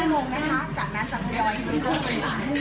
ทีมวอเล็บอลนิวจะใช้เวลารับประทานอาหารไม่เกินในครั้งนี้นะคะ